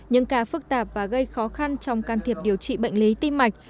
những ca phức tạp và gây khó khăn trong can thiệp điều trị bệnh lý tim mạch